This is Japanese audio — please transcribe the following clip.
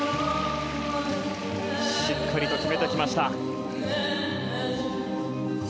しっかりと決めてきました。